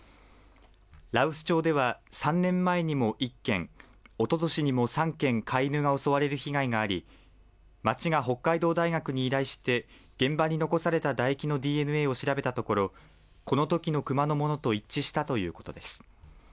羅臼町では３年前にも１件、おととしにも３件飼い犬が襲われる被害があり町が北海道大学に依頼して現場に残されただ液のＤＮＡを調べたところこのときのクマのものと一致したということです。